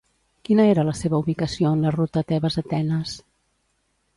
Quina era la seva ubicació en la ruta Tebes-Atenes?